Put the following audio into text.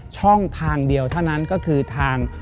ช่องทางเดียวเท่านั้นก็คือทาง